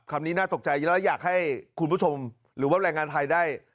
นี้น่าตกใจแล้วอยากให้คุณผู้ชมหรือว่าแรงงานไทยได้